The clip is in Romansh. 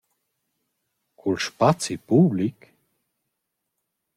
Cul spazi public?